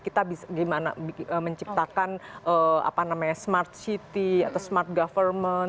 kita menciptakan smart city atau smart government